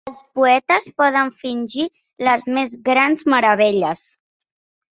Els poetes poden fingir les més grans meravelles.